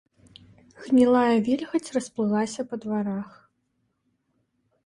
Гнілая вільгаць расплылася па дварах.